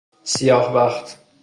سیاه بخت